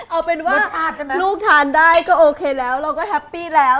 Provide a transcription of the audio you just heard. เอาเป็นว่าลูกทานได้ก็โอเคแล้วเราก็แฮปปี้แล้ว